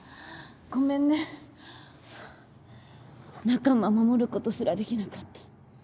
仲間守ることすらできなかった。